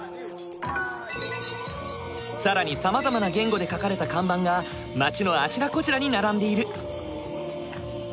更にさまざまな言語で書かれた看板が街のあちらこちらに並んでいる。